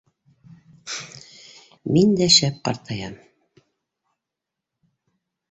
Мин дә шәп ҡартаям.